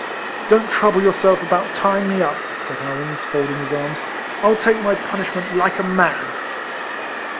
"Don't trouble yourselves about tying me up," said Howans, folding his arms; "I'll take my punishment like a man